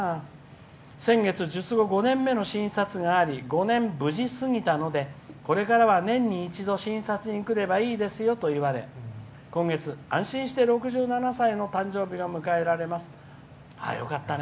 「先月術後５年目の診察があり５年無事過ぎたのでこれからは年に一度診察に来ればいいですよといわれ今月安心して６７歳の誕生日が迎えられます。